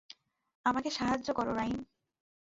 আমাকে সাহায্য করো, রাইম।